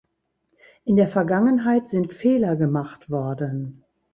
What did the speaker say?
In der Vergangenheit sind Fehler gemacht worden.